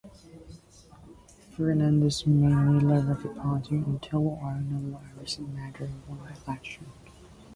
Fernandez remained leader of the party until Arnulfo Arias Madrid won the election.